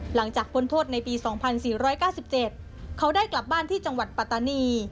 หลังจากพ้นโทษในปี๒๔๙๗เขาได้กลับบ้านที่จังหวัดปัตตานี